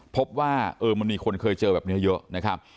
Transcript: พบว่ามันมีคนเคยเจอแบบนี้เยอะนะครับ